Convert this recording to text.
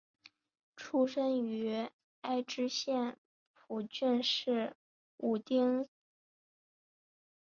出身于爱知县蒲郡市五井町。